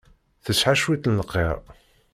Tesɛa cwiṭ n lqir.